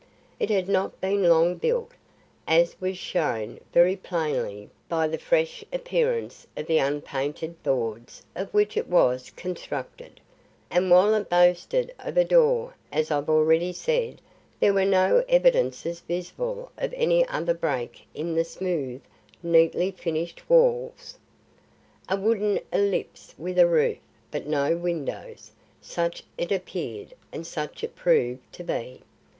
It had not been long built, as was shown very plainly by the fresh appearance of the unpainted boards of which it was constructed; and while it boasted of a door, as I've already said, there were no evidences visible of any other break in the smooth, neatly finished walls. A wooden ellipse with a roof but no windows; such it appeared and such it proved to be.